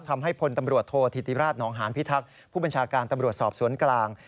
พลตำรวจโทษธิติราชนองหานพิทักษ์ผู้บัญชาการตำรวจสอบสวนกลาง